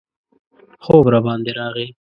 خوب راباندې راغی.